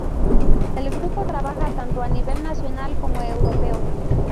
El grupo trabaja tanto a nivel nacional como europeo.